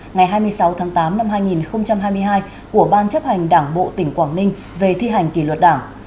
ngày hai mươi sáu tháng tám năm hai nghìn hai mươi hai của ban chấp hành đảng bộ tỉnh quảng ninh về thi hành kỷ luật đảng